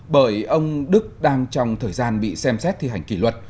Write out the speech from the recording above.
bởi ông đức đang trong thời gian bị xem xét thi hành kỷ luật